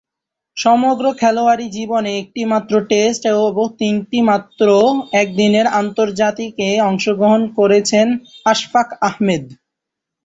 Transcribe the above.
সমগ্র খেলোয়াড়ী জীবনে একটিমাত্র টেস্ট ও তিনটিমাত্র একদিনের আন্তর্জাতিকে অংশগ্রহণ করেছেন আশফাক আহমেদ।